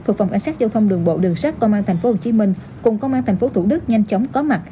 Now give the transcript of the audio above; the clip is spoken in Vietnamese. thuộc phòng cảnh sát giao thông đường bộ đường sát công an thành phố hồ chí minh cùng công an thành phố thủ đức nhanh chóng có mặt